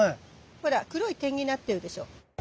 ほら黒い点になってるでしょ。